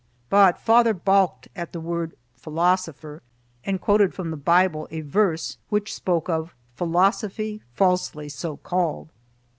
But father balked at the word "Philosopher," and quoted from the Bible a verse which spoke of "philosophy falsely so called."